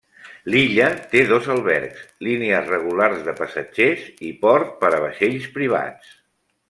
L'illa té dos albergs, línies regulars de passatgers i port per a vaixells privats.